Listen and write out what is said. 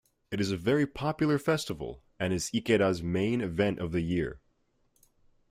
It is a very popular festival and is Ikeda's main event of the year.